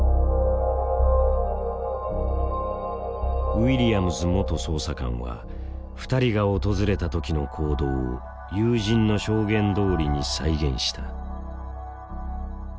ウィリアムズ元捜査官は２人が訪れた時の行動を友人の証言どおりに再現した。